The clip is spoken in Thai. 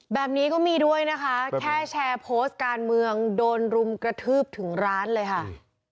แบบนี้ก็มีด้วยนะคะแค่แชร์โพสต์การเมืองโดนรุมกระทืบถึงร้านเลยค่ะ